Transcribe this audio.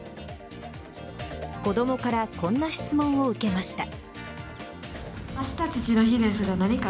子供からこんな質問を受けました。